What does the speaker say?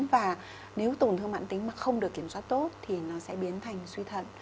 và nếu tổn thương mạng tính mà không được kiểm soát tốt thì nó sẽ biến thành suy thận